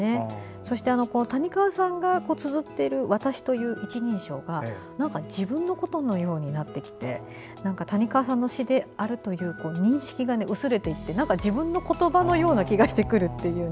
そして、谷川さんがつづっている私という一人称が自分のことのようになってきて谷川さんの詩であるという認識が薄れていって、自分の言葉のような気がしてくるという。